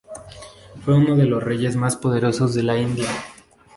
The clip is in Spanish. Fue uno de los reyes más poderosos de la India.